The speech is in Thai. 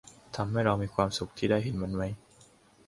ทำให้เรามีความสุขที่ได้เห็นมันไหม